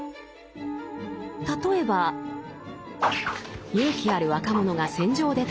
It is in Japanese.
例えば勇気ある若者が戦場で戦っています。